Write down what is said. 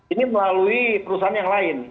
ini melalui perusahaan yang lain